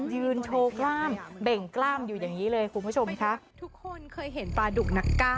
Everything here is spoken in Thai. ยืนโชว์ความปั๊งของตัวกล้ามนั่นขนาดนั้นอ่ะ